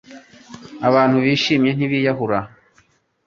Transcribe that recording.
Abantu bishimye ntibiyahura